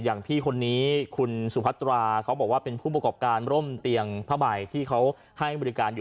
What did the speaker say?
อย่างพี่คนนี้คุณสุพัตราเขาบอกว่าเป็นผู้ประกอบการร่มเตียงผ้าใบที่เขาให้บริการอยู่